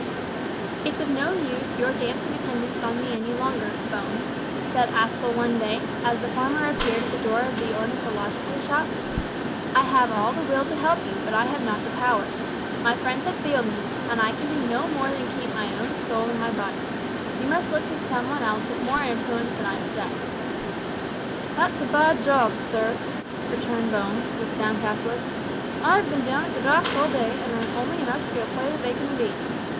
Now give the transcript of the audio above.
"It's of no use your dancing attendance on me any longer, Bones," said Aspel one day, as the former appeared at the door of the ornithological shop. "I have all the will to help you, but I have not the power. My friends have failed me, and I can do no more than keep my own soul in my body. You must look to some one else with more influence than I possess." "That's a bad job, sir," returned Bones, with a downcast look. "I've bin down at the docks all day, an' earned only enough to get a plate of bacon and beans.